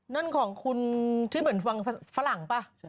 นั่นของคุณที่เหมือนฟังฝรั่งป่ะ